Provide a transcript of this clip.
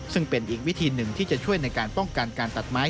ซึ่งเป็นอีกวิธีหนึ่งที่จะช่วยในการป้องกันการตัดไม้